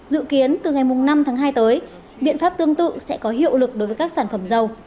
dự kiến từ ngày năm tháng hai tới biện pháp tương tự sẽ có hiệu lực đối với các sản phẩm dầu